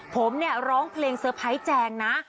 ผมเนี่ยร้องเพลงเซอร์ไพรส์แจงนะ